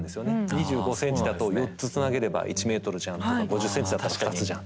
２５ｃｍだと４つつなげれば１ｍじゃんとか５０ｃｍだと２つじゃん。